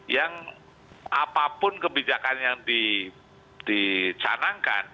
yang apapun kebijakan yang dicanangkan